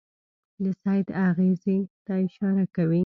د سید اغېزې ته اشاره کوي.